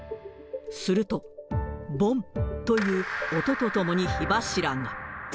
すると、ぼんっという音とともに火柱が。